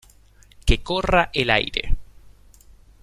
Que corra el aire